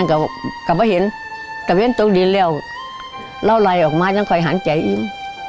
อันนั้นครับก็เห็นว่าเราเล่นตกดีเร็วแล้วไหลออกมาอย่างค่อยหาใจอย่าง